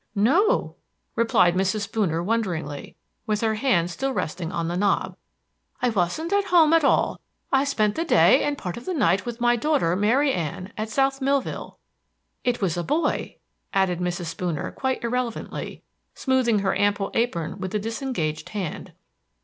"No," replied Mrs. Spooner wonderingly, with her hand still resting on the knob. "I wasn't at home at all. I spent the day and part of the night with my daughter Maria Ann at South Millville. It was a boy," added Mrs. Spooner, quite irrelevantly, smoothing her ample apron with the disengaged hand.